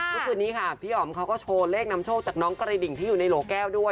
เมื่อคืนนี้ค่ะพี่อ๋อมเขาก็โชว์เลขนำโชคจากน้องกระดิ่งที่อยู่ในโหลแก้วด้วย